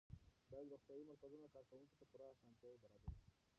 باید د روغتیایي مرکزونو کارکوونکو ته پوره اسانتیاوې برابرې شي.